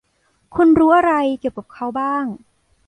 คุณรู้อะไรเกี่ยวกับเขาบ้าง